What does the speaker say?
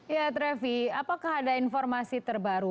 ya trevi apakah ada informasi terbaru